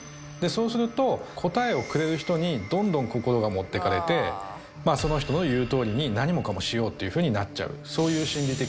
そうすると答えをくれる人にどんどん心が持っていかれてその人の言うとおりに何もかもしようというふうになっちゃうそういう心理的コントロール術ですね